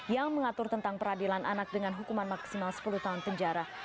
yang mengatur tentang peradilan anak dengan hukuman maksimal sepuluh tahun penjara